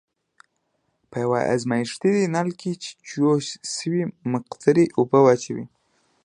په یوه ازمیښتي نل کې جوش شوې مقطرې اوبه واچوئ.